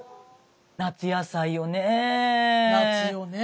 夏野菜よね。